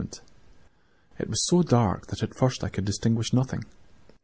"The room was so dark that at first I could not distinguish anything.